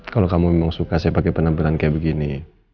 kalau kamu memang suka saya pake penamputan kayak gini